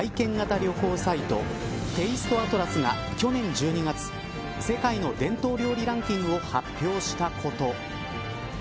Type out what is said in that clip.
旅行サイトＴａｓｔｅＡｔｌａｓが去年１２月世界の伝統料理ランキングを発表したこと。